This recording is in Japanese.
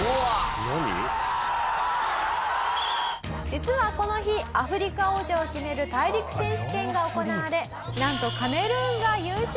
実はこの日アフリカ王者を決める大陸選手権が行われなんとカメルーンが優勝。